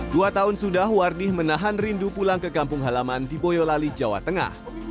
dua tahun sudah wardi menahan rindu pulang ke kampung halaman di boyolali jawa tengah